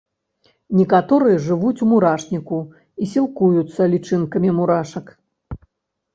Некаторыя жывуць у мурашніку і сілкуюцца лічынкамі мурашак.